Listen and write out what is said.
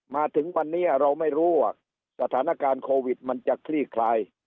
มาถึงวันนี้เราไม่รู้ว่าสถานการณ์โควิดมันจะคลี่คลาย